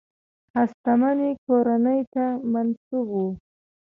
هستمنې کورنۍ ته منسوب وو.